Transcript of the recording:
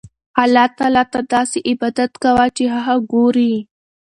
الله ته داسې عبادت کوه چې هغه ګورې.